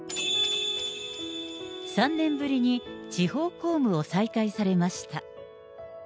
３年ぶりに地方公務を再開されました。